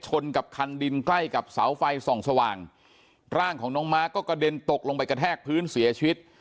กับคันดินใกล้กับเสาไฟส่องสว่างร่างของน้องม้าก็กระเด็นตกลงไปกระแทกพื้นเสียชีวิต